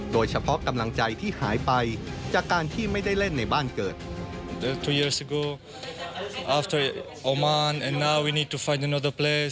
โดยเฉพาะกำลังใจที่หายไปจากการที่ไม่ได้เล่นในบ้านเกิด